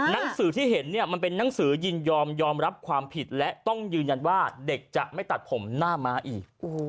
หนังสือที่เห็นเนี่ยมันเป็นหนังสือยินยอมยอมรับความผิดและต้องยืนยันว่าเด็กจะไม่ตัดผมหน้าม้าอีก